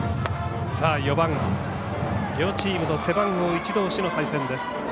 ４番、両チームの背番号１同士の対戦です。